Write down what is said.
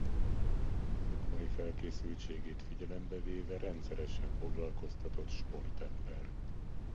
Szakmai felkészültségét figyelembe véve rendszeresen foglalkoztatott sportember.